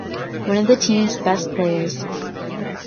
One of the team’s best players.